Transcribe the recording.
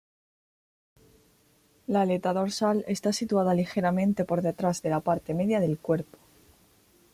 La aleta dorsal está situada ligeramente por detrás de la parte media del cuerpo.